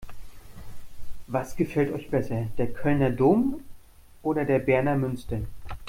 Was gefällt euch besser: Der Kölner Dom oder der Berner Münster?